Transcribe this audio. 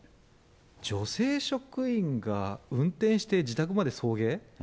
女性職員が運転して自宅まで送迎？